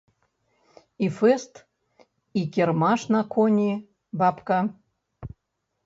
І фэст, і кірмаш на коні, бабка.